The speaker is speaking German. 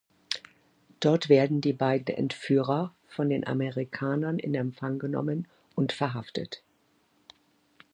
Dort werden die beiden Entführer von den Amerikanern in Empfang genommen und verhaftet.